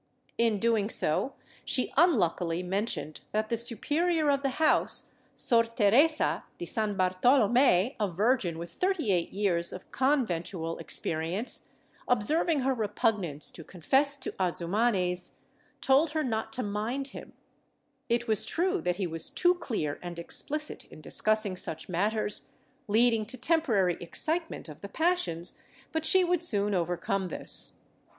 In doing so she unluckily mentioned that the superior of the house, Sor Teresa de San Bartolomo, a virgin with thirty eight years of conventual experi ence, observing her repugnance to confess to Azumanes, told her not to mind him; it was true that he was too clear and explicit in discussing such matters, leading to temporary excitement of the passions, but she would soon overcome this.